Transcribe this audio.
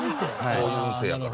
こういう運勢やから。